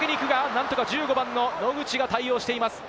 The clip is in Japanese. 何とか１５番の野口が対応しています。